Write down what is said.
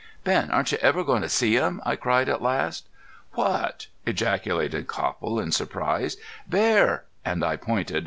"Ben, aren't you ever going to see him?" I cried at last. "What?" ejaculated Copple, in surprise. "Bear!" and I pointed.